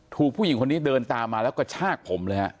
ผู้หญิงคนนี้เดินตามมาแล้วกระชากผมเลยฮะ